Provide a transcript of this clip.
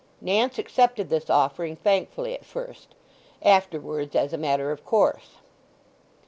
Nance accepted this offering thankfully at first; afterwards as a matter of course.